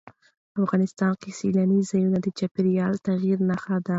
افغانستان کې سیلاني ځایونه د چاپېریال د تغیر نښه ده.